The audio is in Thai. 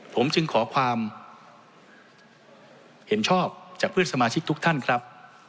ผมจึงขอความเห็นชอบจากเพื่อนสมาชิกทุกท่านครับ